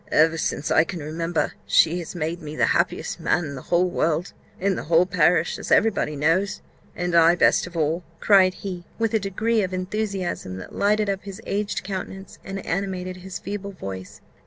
"Ever since I can remember, she has made me the happiest man in the whole world, in the whole parish, as every body knows, and I best of all!" cried he, with a degree of enthusiasm that lighted up his aged countenance, and animated his feeble voice.